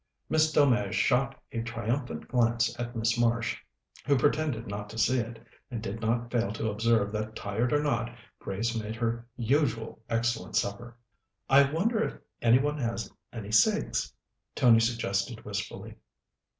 Miss Delmege shot a triumphant glance at Miss Marsh, who pretended not to see it, and did not fail to observe that tired or not, Grace made her usual excellent supper. "I wonder if any one has any cigs?" Tony suggested wistfully.